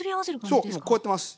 そうこうやってます。